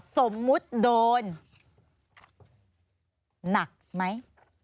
สมมุติโดนหนักไหม